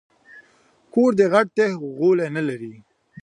کور دي غټ دی خو غولی نه لري